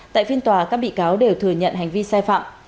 tại phiên tòa các bị cáo đều thừa nhận hành vi sai phạm